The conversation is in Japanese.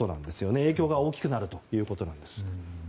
影響が大きくなるということです。